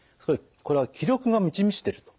これは気力が満ち満ちてると。